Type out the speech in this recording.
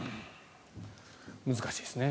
難しいですね。